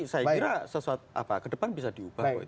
saya kira sesuatu ke depan bisa diubah